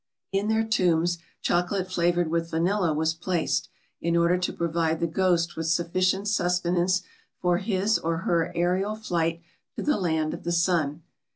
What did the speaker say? In their tombs, chocolate flavoured with vanilla was placed, in order to provide the ghost with sufficient sustenance for his or her aerial flight to the Land of the Sun.